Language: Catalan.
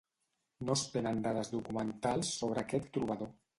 No es tenen dades documentals sobre aquest trobador.